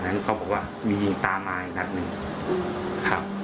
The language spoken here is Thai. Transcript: และรอดที่มีเมืองนะครับ